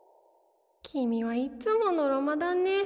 きみはいつものろまだね。